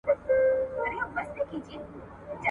د ننګرهار د پوهني رياست ښه نوښت کړی دئ.